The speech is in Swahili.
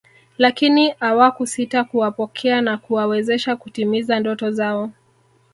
Lakini awakusita kuwapokea na kuwawezesha kutimiza ndoto zao